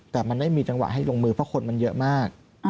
แต่มันไม่มีจังหวะให้ลงมือเพราะคนมันเยอะมาก